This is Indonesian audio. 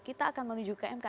kita akan menuju kmu